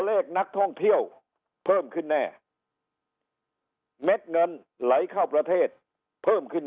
เลขนักท่องเที่ยวเพิ่มขึ้นแน่เม็ดเงินไหลเข้าประเทศเพิ่มขึ้น